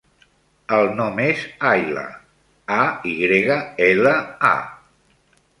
El nom és Ayla: a, i grega, ela, a.